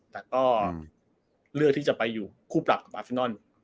แต่ก็เลือกที่จะไปอยู่คู่ปรับกับอาฟินอน